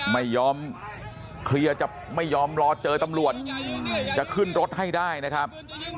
ไม่ยอมเคลียร์จะไม่ยอมรอเจอตำรวจจะขึ้นรถให้ได้นะครับ